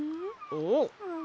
おっ！